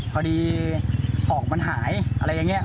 พอดีของมันหายอะไรอย่างนี้